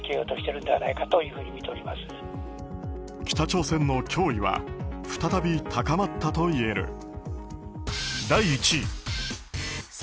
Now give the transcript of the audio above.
北朝鮮の脅威は再び高まったといえる。